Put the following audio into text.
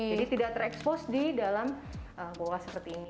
jadi tidak terekspos di dalam buah seperti ini